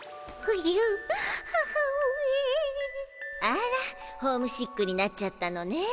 あらホームシックになっちゃったのね。